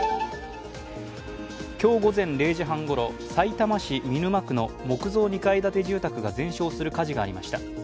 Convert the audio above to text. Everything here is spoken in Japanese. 今日午前０時半ごろさいたま市見沼区の木造２階建て住宅が全焼する火事がありました。